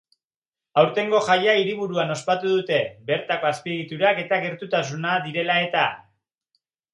Aurtengo jaia hiriburuan ospatu dute, bertako azpiegiturak eta gertutasuna direla eta.